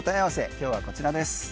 今日はこちらです。